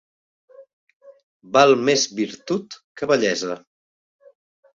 Val més virtut que bellesa.